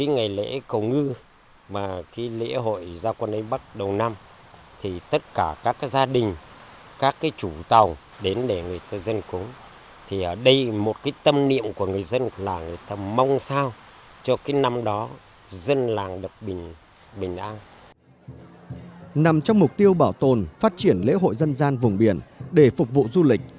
nằm trong mục tiêu bảo tồn phát triển lễ hội dân gian vùng biển để phục vụ du lịch